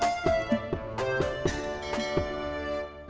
mau pasti tahu